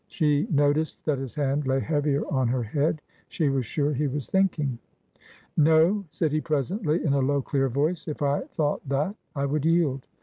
She noticed that his hand lay heavier on her head ; she was sure he was thinking. " No," said he, presently, in a low, clear voice ;" if I thought that^ I would yield.